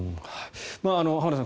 浜田さん